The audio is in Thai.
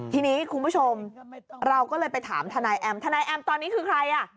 ทีนี้คุณผู้ชมเราก็เลยไปถามทนายแอมทนายแอมตอนนี้คือใครอ่ะ